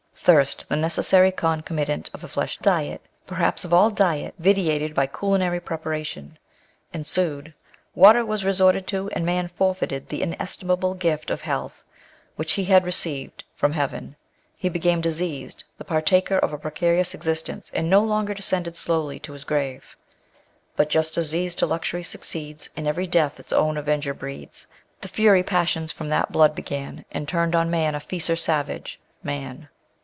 Thirst, the necessary concomitant of a flesh diet," (perhaps of all diet vitiated by culinary pre paration) " ensued ; water was resorted to, and man forfeited the inestimable gift of health which he had received from âĶ" Plin. Nat Hist.," Lib. vii, Soc. 67. Digitized by Google 12 A Vindication of Natural Diet. beaven ; be became diseased, tbe partaker of a precarious existence and no longer descended slowly to bis grave."* But just disease to luxury succeeds, And every death its own avenger breeds ; The fury passions from that blood began, And turned on man a fiercer savage â Man.